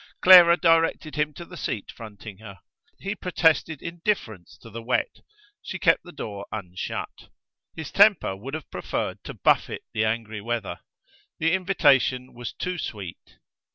Clara directed him to the seat fronting her; he protested indifference to the wet; she kept the door unshut. His temper would have preferred to buffet the angry weather. The invitation was too sweet.